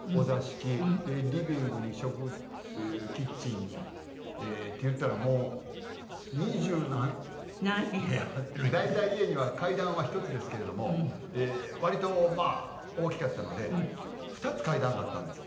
でリビングにキッチンに。っていったらもう二十何部屋。大体家には階段は１つですけれども割とまあ大きかったので２つ階段があったんですよ。